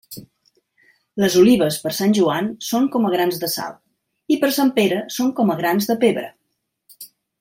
Les olives, per Sant Joan, són com a grans de sal; i per Sant Pere són com a grans de pebre.